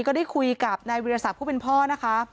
ก็ได้คุยกับในมือภาพผู้เป็นพ่อนะคะ